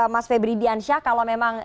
mas febri diansyah kalau memang